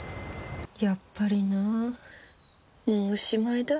やっぱりなもうおしまいだ。